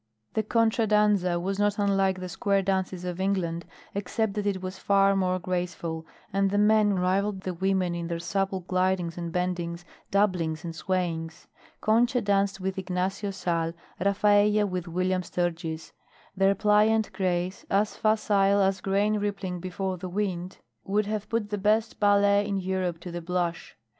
The contra danza was not unlike the square dances of England except that it was far more graceful, and the men rivalled the women in their supple glidings and bendings, doublings and swayings. Concha danced with Ignacio Sal, Rafaella with William Sturgis; their pliant grace, as facile as grain rippling before the wind, would have put the best ballet in Europe to the blush.